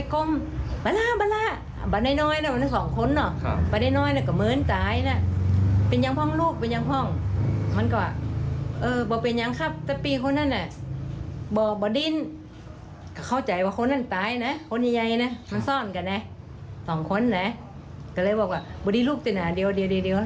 ก็เลยบอกว่าบริลูกที่หนาเดี๋ยวเดี๋ยว